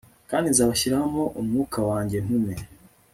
kandi nzabashyiramo umwuka wanjye ntume